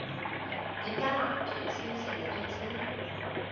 點解男團消息你都知